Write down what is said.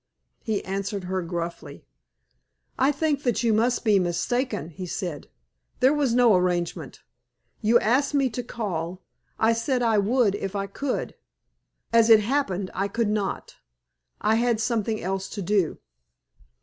He answered her gruffly. "I think that you must be mistaken," he said. "There was no arrangement. You asked me to call; I said I would if I could. As it happened, I could not; I had something else to do."